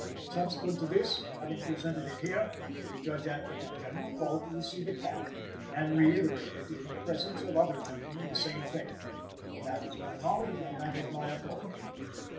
Subsequently to this, having presented it here, the Judge Advocate General called to receive it back, and reiterated in the presence of other gentlemen the same thing. That is my knowledge and that is my authority."